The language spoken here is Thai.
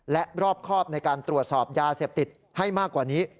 และรอบครอบในการตรวจสอบยาเสพติดให้มากกว่านี้